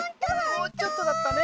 もうちょっとだったね。